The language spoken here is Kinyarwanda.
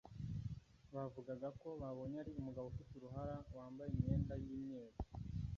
Bavugaga ko babonye ari umugabo ufite uruhara wambaye imyenda y’imyeru